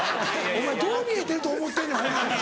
お前どう見えてると思うてんねんホンマに。